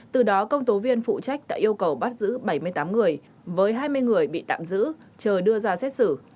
từ đó công tố viên phụ trách đã yêu cầu bắt giữ bảy mươi tám người với hai mươi người bị tạm giữ chờ đưa ra xét xử